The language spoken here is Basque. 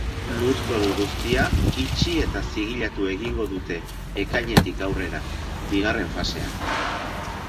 Lurzoru guztia itxi eta zigilatu egingo dute ekainetik aurrera, bigarren fasean.